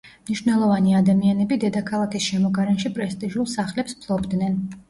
მნიშვნელოვანი ადამიანები დედაქალაქის შემოგარენში პრესტიჟულ სახლებს ფლობდნენ.